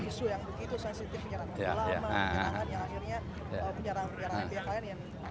yang isu yang begitu sensitif penyerangan keelam penyerangan yang akhirnya penyerangan penyerangan pihak lain